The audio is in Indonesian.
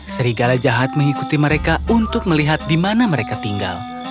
serigala jahat mengikuti mereka untuk melihat di mana mereka tinggal